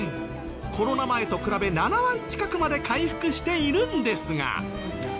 コロナ前と比べ７割近くまで回復しているんですが。